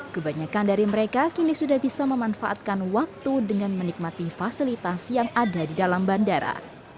kebanyakan dari mereka kini sudah bisa memanfaatkan waktu dengan menikmati fasilitas yang ada di dalam bandara